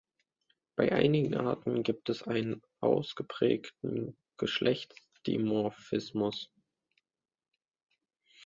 Bei einigen Arten gibt es einen ausgeprägten Geschlechtsdimorphismus.